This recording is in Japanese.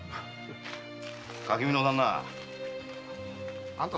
垣見の旦那あんた